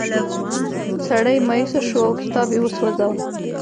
سړی مایوسه شو او کتاب یې وسوځاوه.